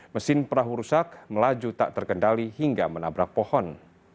mesin perahu rusak melaju tak terkendali hingga menabrak pohon